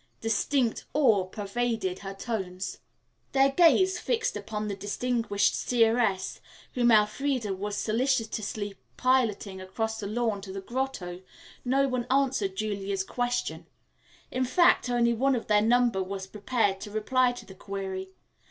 Distinct awe pervaded her tones. Their gaze fixed upon the distinguished seeress, whom Elfreda was solicitously piloting across the lawn to the grotto, no one answered Julia's question. In fact, only one of their number was prepared to reply to the query.